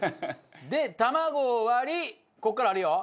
で卵を割りここからあるよ。